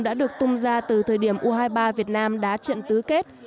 đã được tung ra từ thời điểm u hai mươi ba việt nam đá trận tứ kết